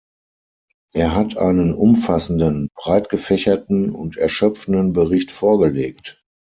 Er hat einen umfassenden, breit gefächerten und erschöpfenden Bericht vorgelegt.